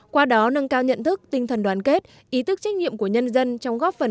qua đó nâng cao nhận thức tinh thần đoàn kết ý thức trách nhiệm của nhân dân trong góp phần